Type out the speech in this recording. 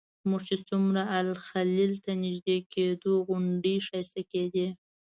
موږ چې څومره الخلیل ته نږدې کېدو غونډۍ ښایسته کېدې.